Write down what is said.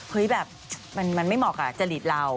แบบมันไม่เหมาะกับจริตเรา